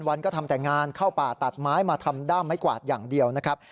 วันก็ทำแต่งานเข้าป่าตัดไม้มาทำด้ามไม้กวาดอย่างเดียวนะครับ